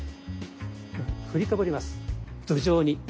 振りかぶります頭上に。